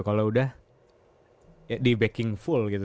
kalau sudah dibacking full gitu